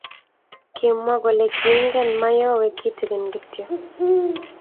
Kimwa kole kiingen mayowe kitigin kityo